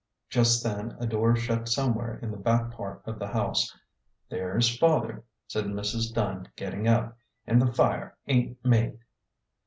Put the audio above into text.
Just then a door shut somewhere in the back part of the house. " There's father," said Mrs. Dunn, getting up ;" an' the fire ain't made."